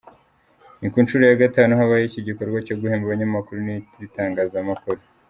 Ni ku nshuro ya gatanu habayeho iki gikorwa cyo guhemba abanyamakuru n’ibitangazamakuru.